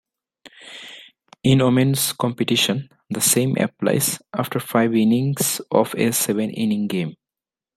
In women's competition, the same applies after five innings of a seven-inning game.